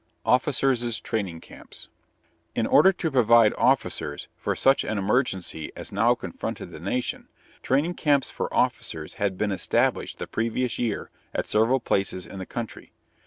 OFFICERS' TRAINING CAMPS. In order to provide officers for such an emergency as now confronted the nation, training camps for officers had been established the previous year at several places in the country.